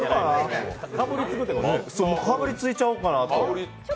かぶりついちゃおうかなって。